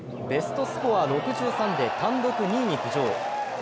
ベストスコア６３で単独２位に浮上。